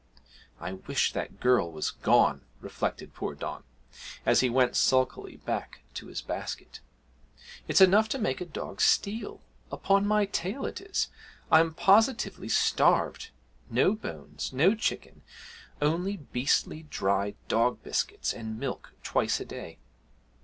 'I wish that girl was gone!' reflected poor Don, as he went sulkily back to his basket. 'It's enough to make a dog steal, upon my tail it is! I'm positively starved no bones, no chicken, only beastly dry dog biscuits and milk twice a day!